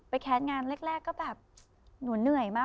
แคสต์งานแรกก็แบบหนูเหนื่อยมาก